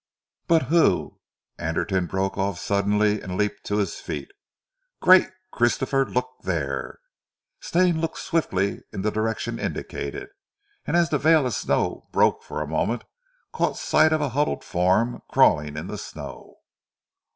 "But who " Anderton broke off suddenly and leaped to his feet. "Great Christopher! Look there!" Stane looked swiftly in the direction indicated, and as the veil of snow broke for a moment, caught sight of a huddled form crawling in the snow.